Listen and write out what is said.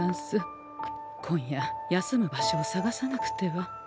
今夜休む場所を探さなくては。